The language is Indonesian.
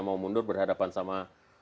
mau mundur berhadapan sama